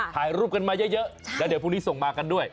ถ่ายรูปกันมาเยอะแล้วเดี๋ยวพรุ่งนี้ส่งมากันด้วย